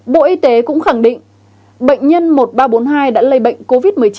bộ y tế cũng khẳng định bệnh nhân một nghìn ba trăm bốn mươi hai đã lây bệnh covid một mươi chín